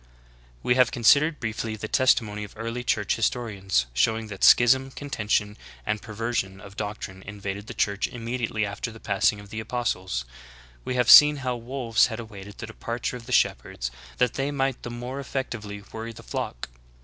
(_5/ We have considered briefly the testimony of early church historians showing that schism, contention, and per ^ version of doctrine invaded the Church immicdiately after the passing of the apostles ; we have seen how wolves had awaited the departure of the shepherds that they might the more effectively worry the flock.